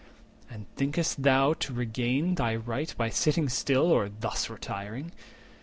And think'st thou to regain Thy right by sitting still, or thus retiring?